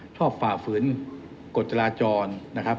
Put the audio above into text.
ฝ่าฝืนกฎจราจรนะครับ